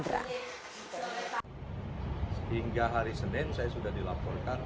febri menegaskan jaksa pinangki hanya terlibat dalam pengurusan fatwa mahkamah agung untuk joko candra